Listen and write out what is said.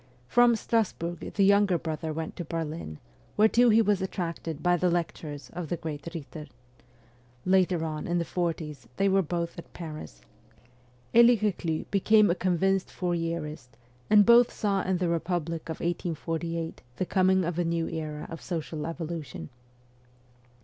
From Strasburg the younger brother went to Berlin, whereto he was attracted by the lectures of the great Bitter. Later on, in the forties, they were both at Paris. Elie Eeclus became a convinced Fourierist, and both saw in the republic of WESTERN EUROPE 303 1848 the coming of a new era of social evolution.